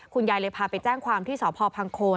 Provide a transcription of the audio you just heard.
ยายเลยพาไปแจ้งความที่สพพังโคน